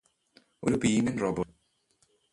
ഒരു ഭീമൻ റോബോട്ട്